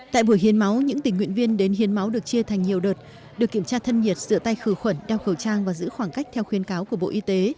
tại buổi hiến máu những tình nguyện viên đến hiến máu được chia thành nhiều đợt được kiểm tra thân nhiệt sửa tay khử khuẩn đeo khẩu trang và giữ khoảng cách theo khuyến cáo của bộ y tế